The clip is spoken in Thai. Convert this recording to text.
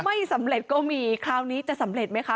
ไม่สำเร็จก็มีคราวนี้จะสำเร็จไหมคะ